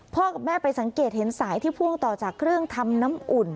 กับแม่ไปสังเกตเห็นสายที่พ่วงต่อจากเครื่องทำน้ำอุ่น